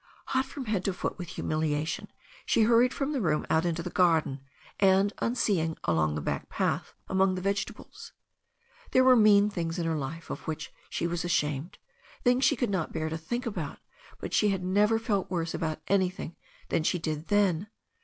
Hot from head to foot with humiliation she hurried from the room out into the garden, and, unseeing, along the back path among the vegetables. There were mean things in her life of which she was ashamed, things she could not bear to think about, but she had never felt worse about anything than she did then.